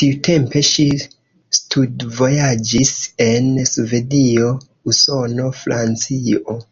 Tiutempe ŝi studvojaĝis en Svedio, Usono, Francio.